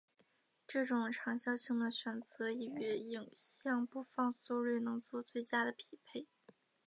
这种长效性的选择与影像播放速率能做最佳的匹配。